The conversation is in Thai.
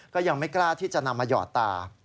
ก็ยังไม่กล้าที่จะนำมาหยอดตา